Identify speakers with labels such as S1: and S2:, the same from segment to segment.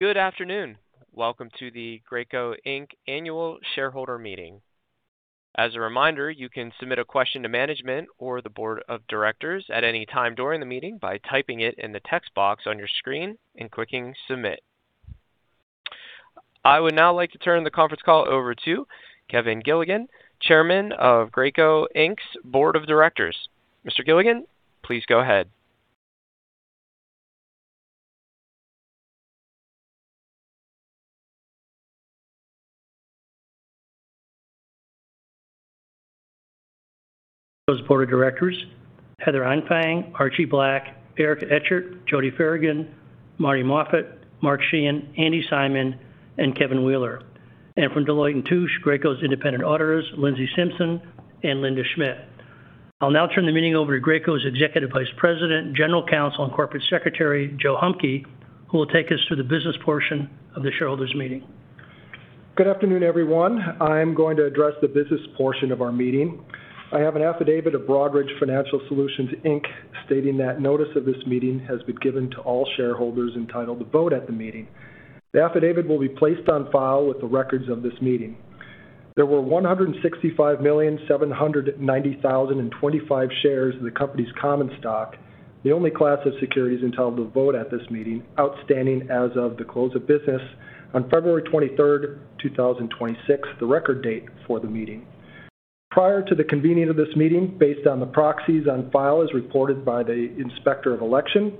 S1: Good afternoon. Welcome to the Graco Inc. annual shareholder meeting. As a reminder, you can submit a question to management or the board of directors at any time during the meeting by typing it in the text box on your screen and clicking Submit. I would now like to turn the conference call over to Kevin Gilligan, Chairman of Graco Inc.'s Board of Directors. Mr. Gilligan, please go ahead.
S2: The board of directors, Heather Anfang, Archie Black, Eric Etchart, Jodi Feragen, Marty Morfitt, Mark Sheahan, Andy Simon, and Kevin Wheeler. From Deloitte & Touche, Graco's independent auditors, Lindsay Simpson and Linda Schmitt. I'll now turn the meeting over to Graco's Executive Vice President, General Counsel, and Corporate Secretary, Joe Humke, who will take us through the business portion of the shareholders' meeting.
S3: Good afternoon, everyone. I'm going to address the business portion of our meeting. I have an affidavit of Broadridge Financial Solutions, Inc. stating that notice of this meeting has been given to all shareholders entitled to vote at the meeting. The affidavit will be placed on file with the records of this meeting. There were 165,790,025 shares of the company's common stock, the only class of securities entitled to vote at this meeting, outstanding as of the close of business on February 23, 2026, the record date for the meeting. Prior to the convening of this meeting, based on the proxies on file as reported by the Inspector of Election,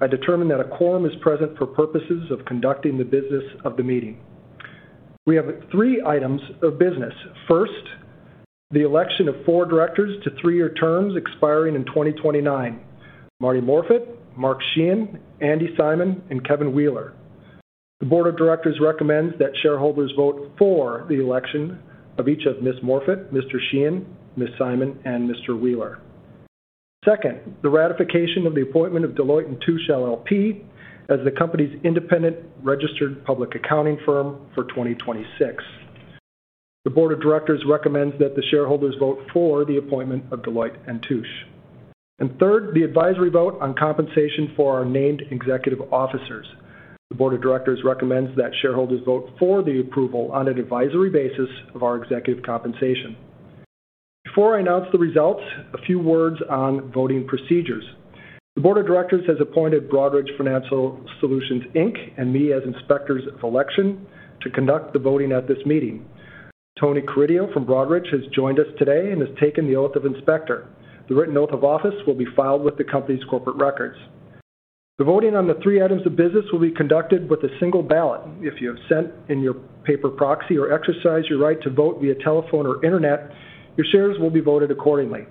S3: I determined that a quorum is present for purposes of conducting the business of the meeting. We have three items of business. First, the election of four directors to three-year terms expiring in 2029: Marty Morfit, Mark Sheehan, Andy Simon, and Kevin Wheeler. The board of directors recommends that shareholders vote for the election of each of Ms. Morfitt, Mr. Sheehan, Ms. Simon, and Mr. Wheeler. Second, the ratification of the appointment of Deloitte & Touche LLP as the company's independent registered public accounting firm for 2026. The board of directors recommends that the shareholders vote for the appointment of Deloitte & Touche. Third, the advisory vote on compensation for our named executive officers. The board of directors recommends that shareholders vote for the approval on an advisory basis of our executive compensation. Before I announce the results, a few words on voting procedures. The board of directors has appointed Broadridge Financial Solutions, Inc. and me as Inspectors of Election to conduct the voting at this meeting. Tony Carideo from Broadridge has joined us today and has taken the oath of inspector. The written oath of office will be filed with the company's corporate records. The voting on the three items of business will be conducted with a single ballot. If you have sent in your paper proxy or exercised your right to vote via telephone or internet, your shares will be voted accordingly.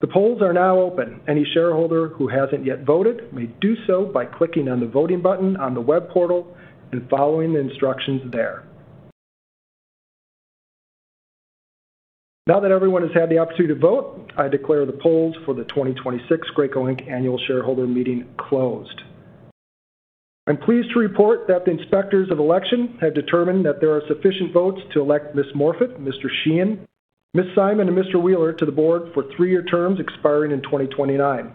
S3: The polls are now open. Any shareholder who hasn't yet voted may do so by clicking on the voting button on the web portal and following the instructions there. Now that everyone has had the opportunity to vote, I declare the polls for the 2026 Graco Inc. annual shareholder meeting closed. I'm pleased to report that the Inspectors of Election have determined that there are sufficient votes to elect Ms. Morfitt, Mr. Sheahan, Ms. Simon, and Mr. Wheeler to the board for three-year terms expiring in 2029.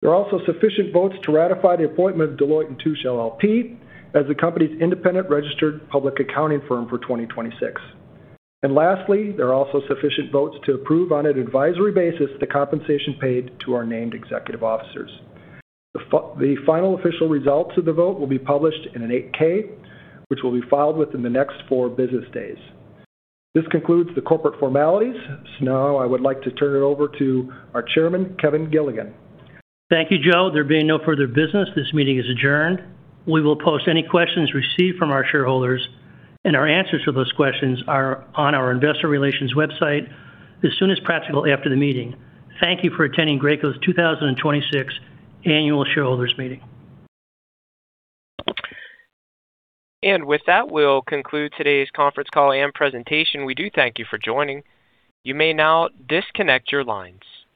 S3: There are also sufficient votes to ratify the appointment of Deloitte & Touche LLP as the company's independent registered public accounting firm for 2026. Lastly, there are also sufficient votes to approve, on an advisory basis, the compensation paid to our named executive officers. The final official results of the vote will be published in an 8-K, which will be filed within the next four business days. This concludes the corporate formalities. Now I would like to turn it over to our Chairman, Kevin Gilligan.
S2: Thank you, Joe. There being no further business, this meeting is adjourned. We will post any questions received from our shareholders, and our answers to those questions are on our investor relations website as soon as practical after the meeting. Thank you for attending Graco's 2026 annual shareholders meeting.
S1: With that, we'll conclude today's conference call and presentation. We do thank you for joining. You may now disconnect your lines.